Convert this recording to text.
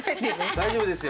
大丈夫ですよ。